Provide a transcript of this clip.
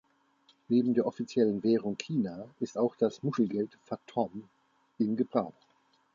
Neben der offiziellen Währung "Kina" ist auch das Muschelgeld "fathom" in Gebrauch.